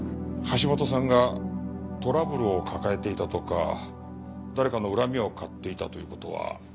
橋本さんがトラブルを抱えていたとか誰かの恨みを買っていたという事は？